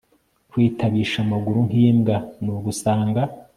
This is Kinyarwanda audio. kwitabisha amaguru nk'imbwa ni ugusanga